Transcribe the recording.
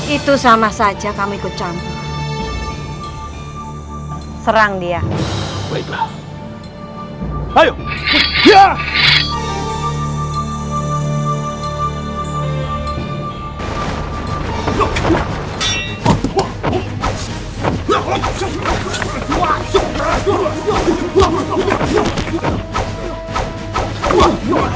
itu sama saja kamu ikut campur